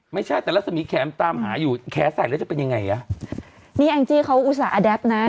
ไม่ใช่แต่รัศมีแข็มตามหาอยู่แขใส่แล้วจะเป็นยังไงอ่ะนี่แองจี้เขาอุตส่าแดปนะ